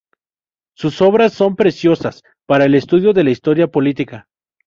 Sus obras son preciosas para el estudio de la historia política.